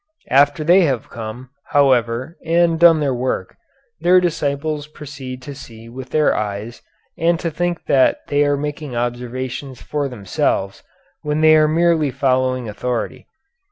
After they have come, however, and done their work, their disciples proceed to see with their eyes and to think that they are making observations for themselves when they are merely following authority.